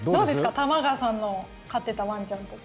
玉川さんの飼っていたワンちゃんとか。